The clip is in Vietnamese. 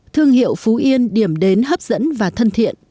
thương hiệu phú yên điểm đến hấp dẫn và thân thiện